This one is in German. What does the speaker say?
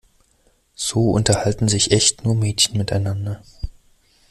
So unterhalten sich echt nur Mädchen miteinander.